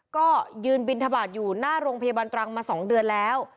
ก็ยืนบินทบาทอยู่หน้าโรงพยาบาลตรังมา๒เดือนแล้ว